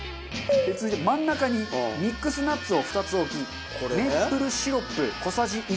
続いて真ん中にミックスナッツを２つ置きメイプルシロップ小さじ１をかけます。